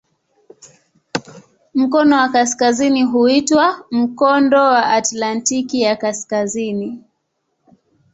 Mkono wa kaskazini huitwa "Mkondo wa Atlantiki ya Kaskazini".